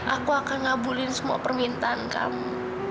aku akan ngabulin semua permintaan kamu